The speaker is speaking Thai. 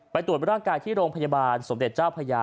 ตรวจร่างกายที่โรงพยาบาลสมเด็จเจ้าพญา